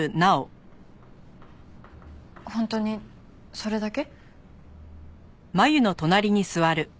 本当にそれだけ？